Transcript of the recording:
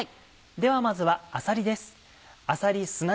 ではまずはあさりです。